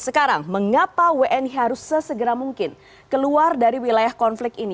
sekarang mengapa wni harus sesegera mungkin keluar dari wilayah konflik ini